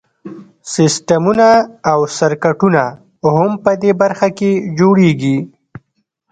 سیسټمونه او سرکټونه هم په دې برخه کې جوړیږي.